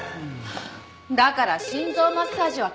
だから心臓マッサージは関係ない。